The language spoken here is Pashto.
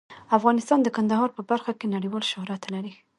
افغانستان د کندهار په برخه کې نړیوال شهرت لري.